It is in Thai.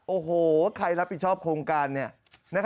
โอ้โฮใครรับบิชอบโครงการนี้